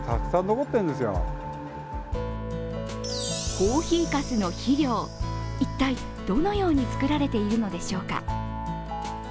コーヒーかすの肥料、一体どのように作られているのでしょうか。